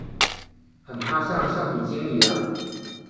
很怕像橡皮筋一样